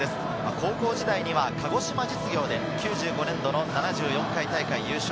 高校時代は鹿児島実業で９５年度の７４回大会優勝。